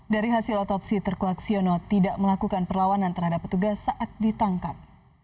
dari hasil otopsi terkuak siono tidak melakukan perlawanan terhadap petugas saat ditangkap